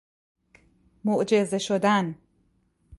معجزه شدن